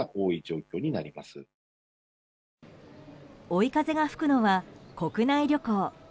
追い風が吹くのは国内旅行。